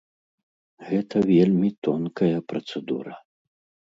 Гэта вельмі тонкая працэдура.